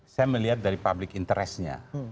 saya melihat dari public interest nya